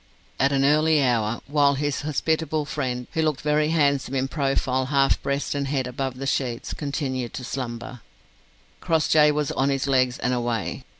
At an early hour, while his hospitable friend, who looked very handsome in profile half breast and head above the sheets, continued to slumber, Crossjay was on his legs and away.